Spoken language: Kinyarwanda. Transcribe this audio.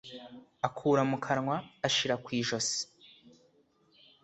akura mu kanwa ashira kwi josi